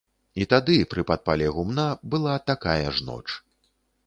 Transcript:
І тады, пры падпале гумна, была такая ж ноч.